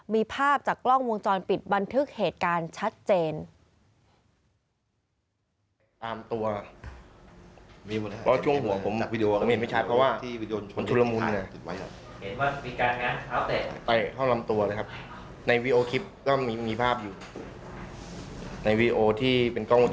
มีภาพจากกล้องวงจรปิดบันทึกเหตุการณ์ชัดเจน